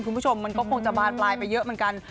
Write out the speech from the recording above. คุณผู้ชมมันก็คงจะบานปลายไปเยอะเหมือนกัน